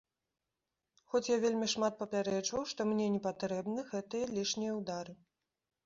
Хоць я вельмі шмат папярэджваў, што мне не патрэбны гэтыя лішнія ўдары.